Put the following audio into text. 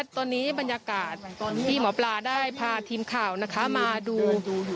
ตอนนี้บรรยากาศที่หมอปลาได้พาทีมข่าวมาดู